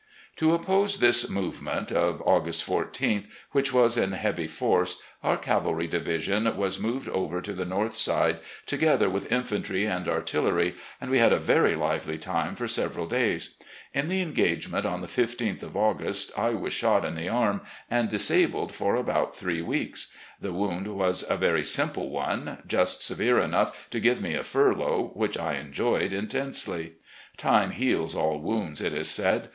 ..." To oppose this movement (of August 14th), which was in heavy force, our cavalry division was moved over to the north side, together with infantry and artillery, and we had a very lively time for several days. In the engage ment on the isth of Augfust I was shot in the arm and disabled for about three weeks. The wound was a very simple one — ^just severe enough to give me a fvirlough, which I enjoyed intensely. Time heals all wounds, it is said.